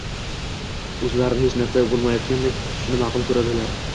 o‘zlarini hech narsa bo‘lmayotgandek tutishni ma’qul ko‘radilar.